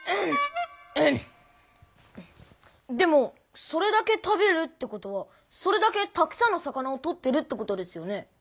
でもそれだけ食べるってことはそれだけたくさんの魚を取ってるってことですよね？